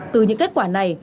từ những kết quả này